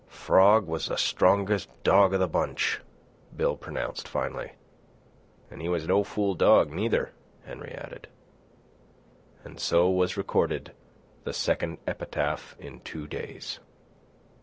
"Frog was the strongest dog of the bunch," Bill pronounced finally. "An' he was no fool dog neither," Henry added. And so was recorded the second epitaph in two days.